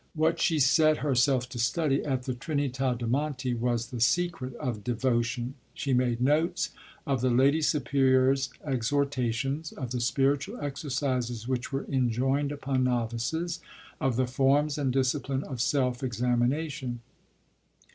What she set herself to study at the Trinità de' Monti was the secret of devotion. She made notes of the Lady Superior's exhortations; of the spiritual exercises which were enjoined upon novices; of the forms and discipline of self examination.